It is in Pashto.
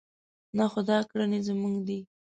نه خو دا کړنې زموږ دي.